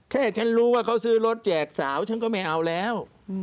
แค่ฉันรู้ว่าเขาซื้อรถแจกสาวฉันก็ไม่เอาแล้ว